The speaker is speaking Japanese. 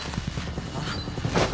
あっ？